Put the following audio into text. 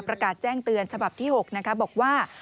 ประกาศแจ้งเตือนฉบับที่๖นะคะบอกว่า